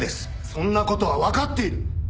そんな事はわかっている！